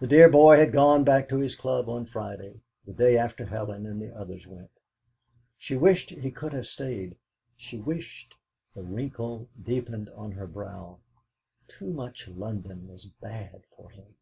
The dear boy had gone back to his club on Friday the day after Helen and the others went. She wished he could have stayed. She wished The wrinkle deepened on her brow. Too much London was bad for him!